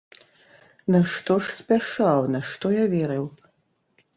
Нашто ж спяшаў, нашто я верыў?